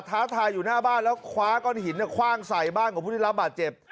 ท้าทายอยู่หน้าบ้านแล้วคว้าก้อนหินคว่างใส่บ้านของผู้ได้รับบาดเจ็บ